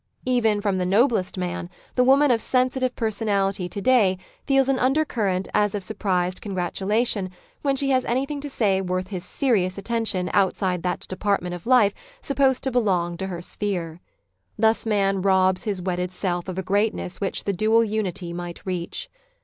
Even from the noblest man, the woman of sensitive personality to day feels an undercurrent as of sur prised congratulation when she has anything to say worth his serious attention outside that department of life supposed to belong to her « sphere.'' Thus man robs his wedded self of a greatness which the dual unity might reach.